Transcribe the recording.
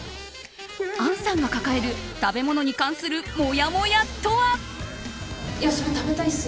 杏さんが抱える食べ物に関するもやもやとは？